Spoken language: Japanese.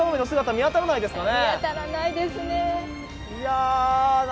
見当たらないですね。